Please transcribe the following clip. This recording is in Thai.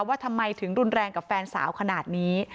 ว่าทำไมถึงรุนแรงกับแฟนสาวขนาดนี้